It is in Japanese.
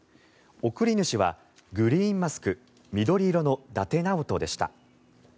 送り主は「グリーンマスク緑色の伊達直人」でした。